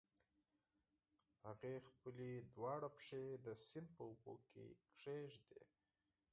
هغې خپلې دواړه پښې د سيند په اوبو کې کېښودې.